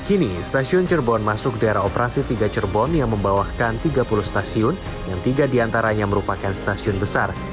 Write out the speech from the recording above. kini stasiun cerbon masuk di era operasi tiga cerbon yang membawakan tiga puluh stasiun yang tiga di antaranya merupakan stasiun besar